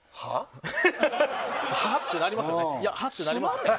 は？ってなりますよね。